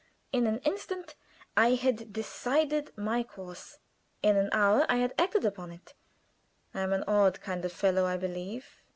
In an instant I had decided my course; in an hour I had acted upon it. I am an odd kind of fellow, I believe.